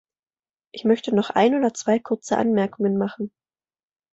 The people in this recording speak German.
Ich möchte noch ein oder zwei kurze Anmerkungen machen.